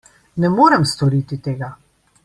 Ne morem storiti tega.